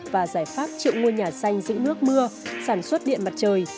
và giải pháp triệu ngôi nhà xanh giữ nước mưa sản xuất điện mặt trời